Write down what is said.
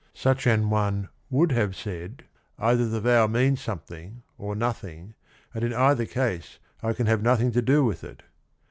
Such an one would have said "either the vow means some thing or nothing and in either case I can have nothing to do with it."